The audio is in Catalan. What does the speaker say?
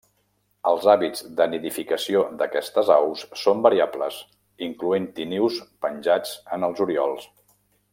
Els hàbits de nidificació d'aquestes aus són variables, incloent-hi nius penjants en els oriols.